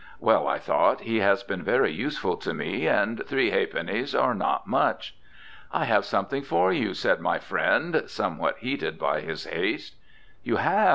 Well, I thought, he has been very useful to me, and three ha'pennies are not much. "I have something for you," said my friend, somewhat heated by his haste. "You have?"